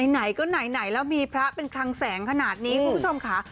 ไหนก็ไหนแล้วมีพระเป็นคลังแสงขนาดนี้คุณผู้ชมค่ะ